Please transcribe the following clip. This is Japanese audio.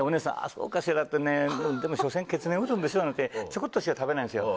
「そうかしらでもしょせんきつねうどんでしょ」なんてちょこっとしか食べないんですよ